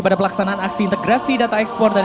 pada pelaksanaan aksi integrasi data ekspor dan